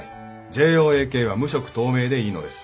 ＪＯＡＫは無色透明でいいのです。